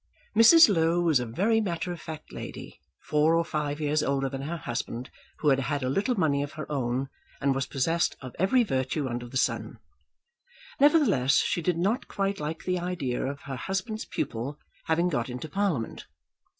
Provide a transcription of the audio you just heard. Mrs. Low was a very matter of fact lady, four or five years older than her husband, who had had a little money of her own, and was possessed of every virtue under the sun. Nevertheless she did not quite like the idea of her husband's pupil having got into Parliament.